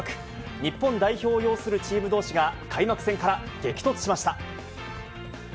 日本代表を擁するチームどうしが、開幕戦から激突しました。